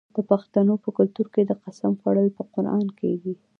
د پښتنو په کلتور کې د قسم خوړل په قران کیږي.